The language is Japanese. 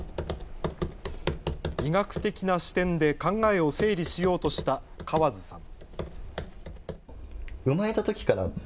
医学的な視点で考えを整理しようとした河津さん。